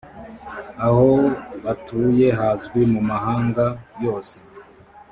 aho batuye hazwi mu mahanga yose.